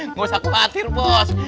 nggak usah khawatir bos